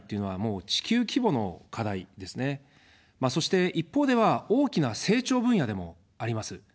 そして、一方では大きな成長分野でもあります。